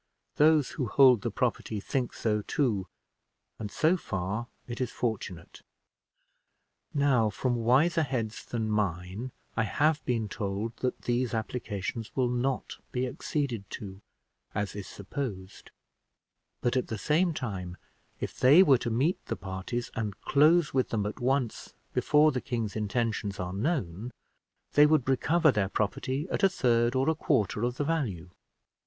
Those who hold the property think so too, and so far it is fortunate. Now, from wiser heads than mine, I have been told that these applications will not be acceded to, HM is supposed; but, at the same time, if they were to meet the parties, and close with them at once, before the king's intentions are known, they would recover their property at a third or a quarter of the value.